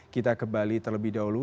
kita ke bali terlebih dahulu